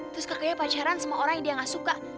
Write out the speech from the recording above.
terus kakaknya pacaran semua orang yang dia gak suka